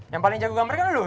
yang paling jago gambarkan dulu